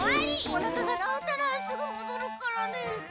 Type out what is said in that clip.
おなかがなおったらすぐもどるからね。